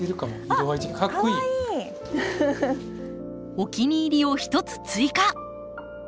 お気に入りを１つ追加！